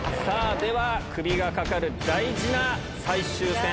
では、クビがかかる大事な最終戦。